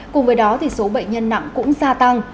cùng với đó số bệnh nhân nặng cũng gia tăng